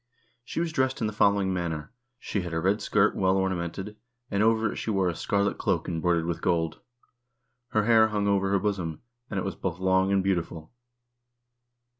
She was dressed in the following manner: She had a red skirt well ornamented, and over it she wore a scarlet cloak embroidered with gold. Her hair hung over her bosom, and it was both long and beautiful.